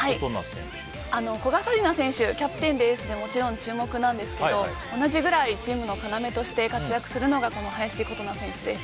古賀紗理那選手もキャプテンでエースでもちろん注目なんですけど同じくらいチームの要として活躍するのがこの林琴奈選手です。